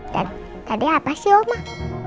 dan tadi apa sih omah